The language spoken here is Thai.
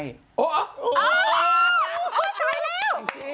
โอ้ยยยยย